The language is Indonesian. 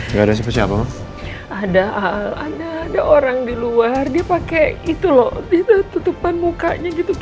nggak ada siapa siapa mas ada ada orang di luar dia pakai itu loh tutupan mukanya gitu